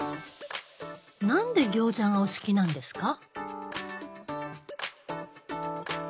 何で餃子がお好きなんですか？